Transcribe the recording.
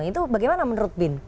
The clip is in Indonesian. itu bagaimana menurut bin